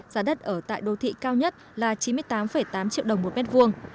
giá đất ở tại đô thị cao nhất là chín mươi tám tám triệu đồng một mét vuông